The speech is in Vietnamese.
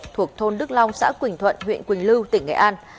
thuộc thôn đức long xã quỳnh thuận huyện quỳnh lưu tỉnh nghệ an